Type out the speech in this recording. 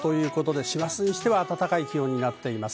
師走にしては、暖かい気温になっています。